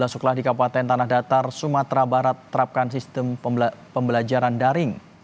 tiga sekolah di kabupaten tanah datar sumatera barat terapkan sistem pembelajaran daring